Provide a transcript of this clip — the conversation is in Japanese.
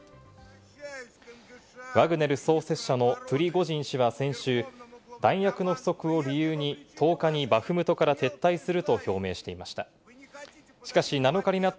ワグネル創設者のプリゴジン氏は先週、弾薬の不足を理由に、１０日にバフムトから撤退すると表明していました。